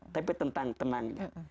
tapi tentang tenangnya